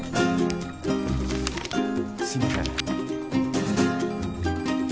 すいません。